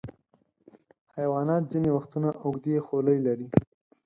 حیوانات ځینې وختونه اوږدې خولۍ لري.